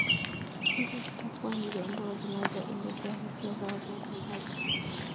hizi zitakuwa ni dondoo zinazoelezea hisia za wazungumzaji